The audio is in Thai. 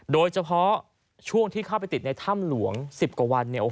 โดยเฉพาะช่วงที่เข้าไปติดในถ้ำหลวง๑๐กว่าวันเนี่ย